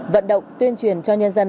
vận động tuyên truyền cho nhân dân